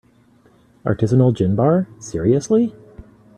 Artisanal gin bar, seriously?!